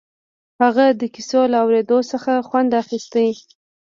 هغه د کيسو له اورېدو څخه خوند اخيست.